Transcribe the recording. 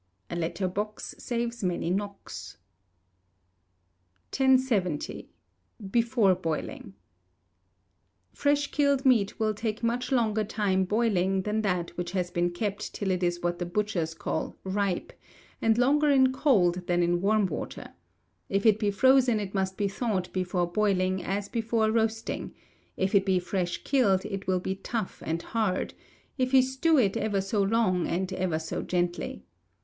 [A LETTER BOX SAVES MANY KNOCKS.] 1070. Before Boiling. Fresh killed meat will take much longer time boiling than that which has been kept till it is what the butchers call ripe, and longer in cold than in warm weather. If it be frozen it must be thawed before boiling as before roasting; if it be fresh killed, it will be tough and hard, if you stew it ever so long, and ever so gently.